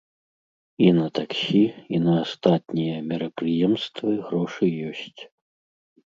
І на таксі, і на астатнія мерапрыемствы грошы ёсць.